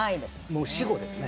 もう死語ですね。